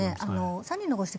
３人のご指摘